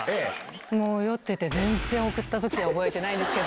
もう酔っていて、送ったこと覚えてないんですけど。